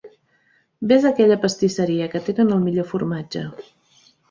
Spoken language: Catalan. Ves a aquella pastisseria, que tenen el millor formatge.